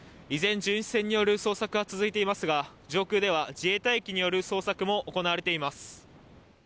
依然、巡視船による捜索は続いていますが、上空では自衛隊機による捜索も行われています。